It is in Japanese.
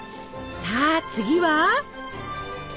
さあ次は？